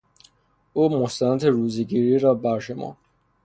او محسنات روزهگیری را برشمرد.